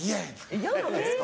イヤなんですか？